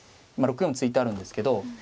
今６四突いてあるんですけど。